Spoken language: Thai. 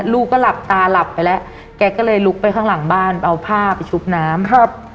ลูกก็หลับตาหลับไปแล้วแกก็เลยลุกไปข้างหลังบ้านเอาผ้าไปชุบน้ำครับ